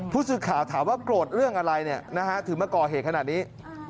ผู้สื่อข่าวถามว่าโกรธเรื่องอะไรถึงมาก่อเหตุขนาดนี้